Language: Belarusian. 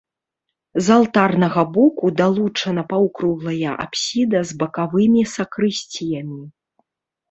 З алтарнага боку далучана паўкруглая апсіда з бакавымі сакрысціямі.